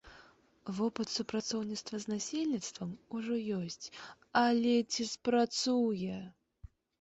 Вопыт супрацоўніцтва з насельніцтвам ужо ёсць, але ці спрацуе?